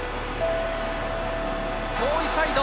遠いサイド。